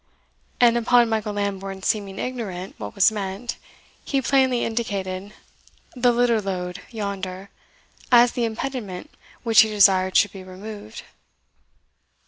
And upon Michael Lambourne's seeming ignorant what was meant, he plainly indicated "the litter load, yonder," as the impediment which he desired should be removed.